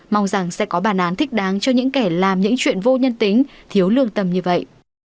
mong rằng sẽ có bản án thích đáng cho những kẻ làm những chuyện vô nhân tính thiếu lương tâm như vậy